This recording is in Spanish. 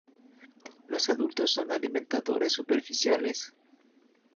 Los adultos son alimentadores superficiales.